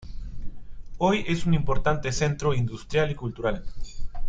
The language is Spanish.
Hoy es un importante centro industrial y cultural.